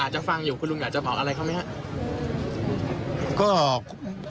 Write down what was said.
จะฟังอยู่คุณลุงอยากจะบอกอะไรเขาไหมครับ